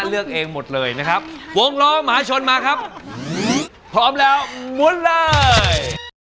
เลยนะครับวงร้องมหาชนมาครับพร้อมแล้วมุ่นเลย